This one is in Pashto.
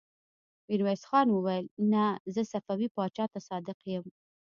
ميرويس خان وويل: نه! زه صفوي پاچا ته صادق يم.